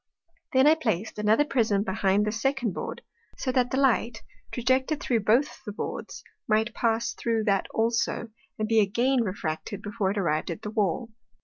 Then I plac'd another Prism behind this second Board, so that the Light, trajected through both the Boards, might pass thro' that also, and be again refracted before it arrived at the Wall.